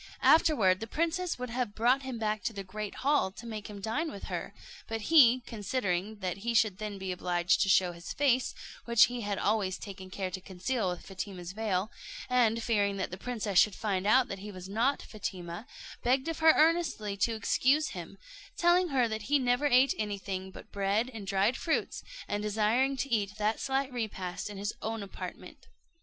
Afterward the princess would have brought him back into the great hall to make him dine with her; but he, considering that he should then be obliged to show his face, which he had always taken care to conceal with Fatima's veil, and fearing that the princess should find out that he was not Fatima, begged of her earnestly to excuse him, telling her that he never ate anything but bread and dried fruits, and desiring to eat that slight repast in his own apartment.